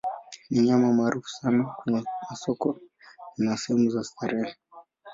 Ni nyama maarufu sana kwenye masoko na sehemu za starehe.